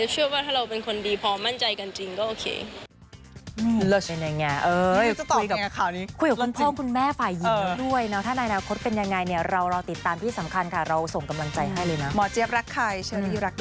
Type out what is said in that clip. เชื่อว่าถ้าเราเป็นคนดีพอมั่นใจกันจริงก็โอเค